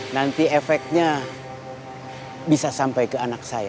nanti efeknya bisa sampai ke anak saya